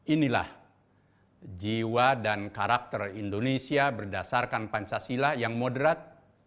inilah jiwa dan karakter indonesia berdasarkan pancasila yang moderat